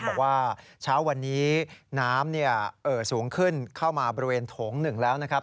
บอกว่าเช้าวันนี้น้ำสูงขึ้นเข้ามาบริเวณโถง๑แล้วนะครับ